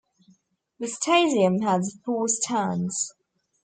The stadium has four stands.